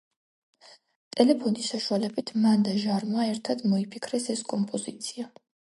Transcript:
ტელეფონის საშუალებით მან და ჟარმა ერთად მოიფიქრეს ეს კომპოზიცია.